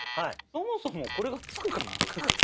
そもそもこれがつくかな手が。